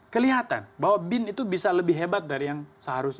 kelihatan bahwa bin itu bisa lebih hebat dari yang seharusnya